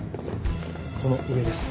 この上です。